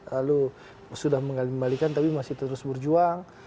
lalu sudah mengalami balikan tapi masih terus berjuang